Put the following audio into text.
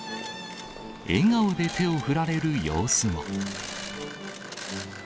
笑顔で手を振られる様子も。